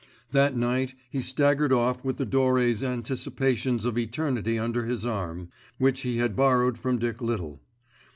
That night he staggered off with the Doré's anticipations of eternity under his arm, which he had borrowed from Dick Little.